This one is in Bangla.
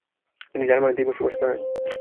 তিনি জার্মানিতেই বসবাস করেন।